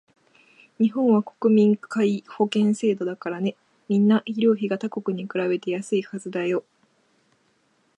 日本は国民皆保険制度だからね、みんな医療費が他国に比べて安いはずだよ